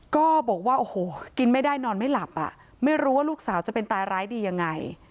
ก็บอกว่าโอ้โหกินไม่ได้นอนไม่หลับอ่ะไม่รู้ว่าลูกสาวจะเป็นตายร้ายดียังไง